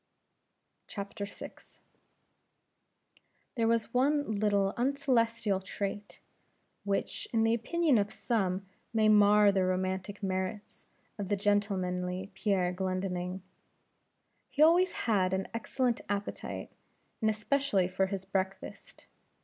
VI. There was one little uncelestial trait, which, in the opinion of some, may mar the romantic merits of the gentlemanly Pierre Glendinning. He always had an excellent appetite, and especially for his breakfast.